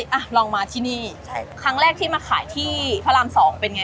วันนั้นขายไม่ได้ก็เลยแจกแจกแถวนี้เลย